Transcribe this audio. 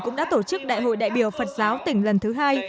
cũng đã tổ chức đại hội đại biểu phật giáo tỉnh lần thứ hai